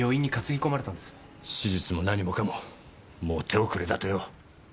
手術も何もかももう手遅れだとよ。